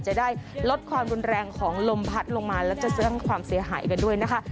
จะได้ลดความรุนแรงของลมพัดลงมาแล้วก็สร้างความเสียหายกันด้วยนะคะ